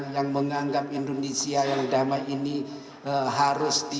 yang menganggap indonesia yang damai ini harus diganggu bahkan membuat orang lain